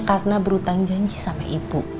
karena berhutang janji sama ibu